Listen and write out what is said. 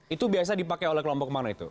itu biasa dipakai oleh kelompok mana itu